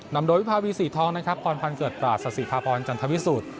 นำโดยวิภาพีศรีทองค์นะครับควรพันเกิดปราชสศิษย์พระพรจันทวิสุธ